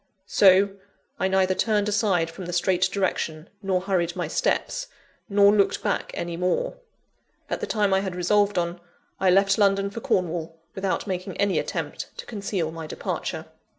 So, I neither turned aside from the straight direction, nor hurried my steps, nor looked back any more. At the time I had resolved on, I left London for Cornwall, without making any attempt to conceal my departure.